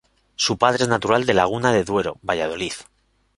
Su padre es natural de Laguna de Duero, Valladolid.